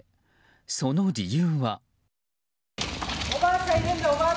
その理由は。